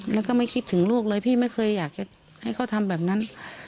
แล้วก็ไม่คิดถึงลูกเลยพี่ไม่เคยอยากจะให้เขาทำแบบนั้น